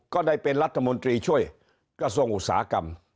ก็ได้เป็นรัฐมนตรีช่วยกระทรวงอุตสาหกรรม